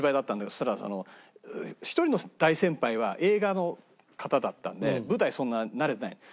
そしたらその１人の大先輩は映画の方だったんで舞台そんな慣れてない。